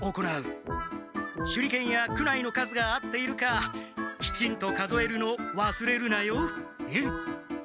手裏剣や苦無の数が合っているかきちんと数えるのわすれるなよ。